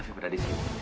hafidz berada di sini